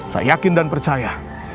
saya yakin dan percaya